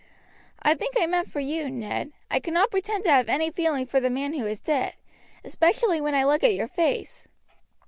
"I think I meant for you, Ned. I cannot pretend to have any feeling for the man who is dead, especially when I look at your face."